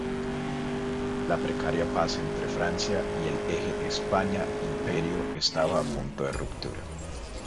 La precaria paz entre Francia y el eje España-Imperio estaba a punto de ruptura.